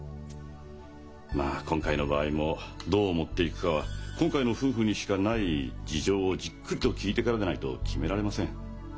まあ今回の場合もどう持っていくかは今回の夫婦にしかない事情をじっくりと聞いてからでないと決められません。